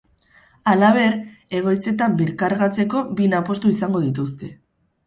Halaber, egoitzetan birkargatzeko bina postu izango dituzte.